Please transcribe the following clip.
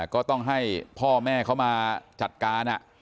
ก็ต้องให้พ่อแม่เขามาจัดการ